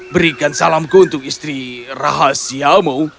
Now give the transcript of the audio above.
berikan salamku untuk istri rahasiamu